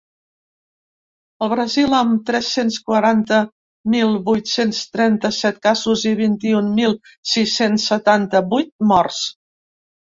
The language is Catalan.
El Brasil, amb tres-cents quaranta mil vuit-cents trenta-set casos i vint-i-un mil sis-cents setanta-vuit morts.